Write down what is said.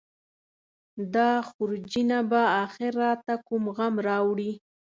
دا خورجینه به اخر راته کوم غم راوړي.